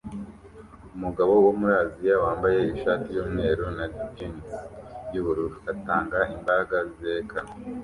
Umugabo wo muri Aziya wambaye ishati yumweru na jans yubururu atanga imbaraga zerekana